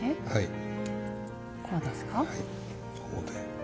はい。